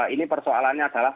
ini persoalannya adalah